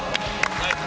ナイス！